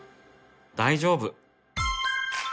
大丈夫！